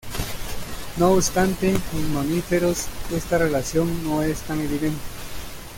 No obstante, en mamíferos esta relación no es tan evidente.